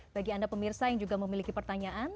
bagi anda pemirsa yang juga memiliki pertanyaan